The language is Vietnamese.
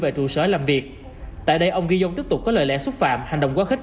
về trụ sở làm việc tại đây ông giyon tiếp tục có lời lẽ xúc phạm hành động quá khích